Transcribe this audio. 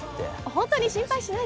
本当に心配しないで。